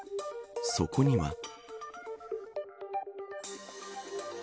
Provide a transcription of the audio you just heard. そこには。